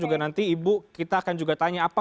juga nanti ibu kita akan juga tanya apa